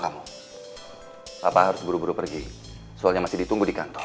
kenapa harus buru buru pergi soalnya masih ditunggu di kantor